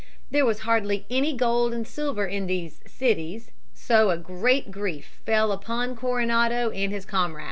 There was hardly any gold and silver in these "cities," so a great grief fell upon Coronado and his comrades.